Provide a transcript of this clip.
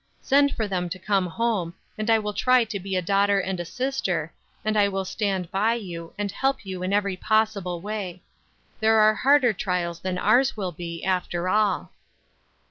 Send for them to come home, and I will try to be a daughter and a sister; and I will stand by you, and help you in every possible way. There are harder trials than ours will be, after all."